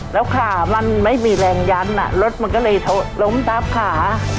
แล้วขามันไม่มีแรงยั้นรถมันก็เลยล้มทับขา